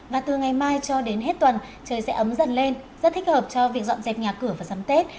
và từ ngày mai cho đến hết tuần trời sẽ ấm dần lên rất thích hợp cho việc dọn dẹp nhà cửa vào dắm tết